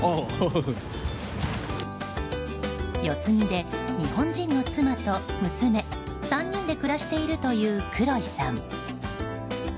四つ木で日本人の妻と娘３人で暮らしているというクロイさん。